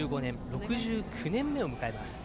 ６９年目を迎えます。